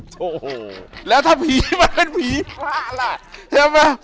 โถ่แล้วถ้าผีมันเป็นผีพระล่ะ